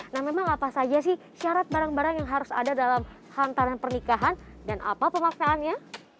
nah memang apa saja sih syarat barang barang yang harus ada dalam hantaran pernikahan dan apa pemaknaannya